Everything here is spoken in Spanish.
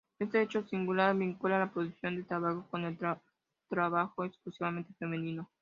Este hecho singular vincula la producción de tabaco con el trabajo exclusivamente femenino.